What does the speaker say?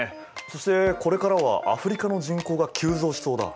そしてこれからはアフリカの人口が急増しそうだ。